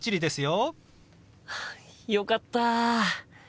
よかった。